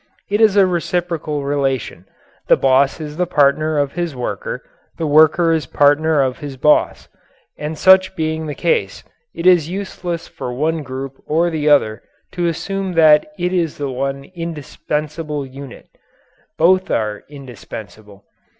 It is a reciprocal relation the boss is the partner of his worker, the worker is partner of his boss. And such being the case, it is useless for one group or the other to assume that it is the one indispensable unit. Both are indispensable.